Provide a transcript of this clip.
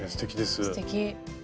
すてき！